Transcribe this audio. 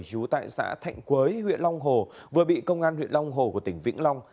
trú tại xã thạnh quế huyện long hồ vừa bị công an huyện long hồ của tỉnh vĩnh long